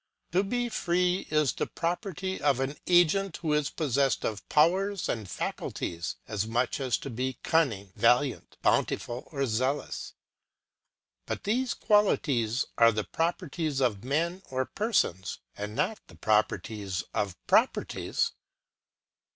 To be free, is the property of an agent who is possessed of powers and faculties, as much as to be cunning, valiant, bountiful, or zealous. But these quali ties are the properties of men or persons, and not the prop erties of properties.